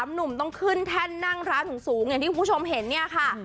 หนุ่มต้องขึ้นแท่นนั่งร้านสูงอย่างที่คุณผู้ชมเห็นเนี่ยค่ะ